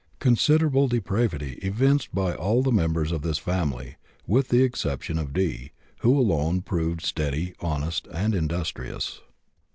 Considerable depravity evinced by all the members of this family, with the exception of D., who alone proved steady, honest, and industrious.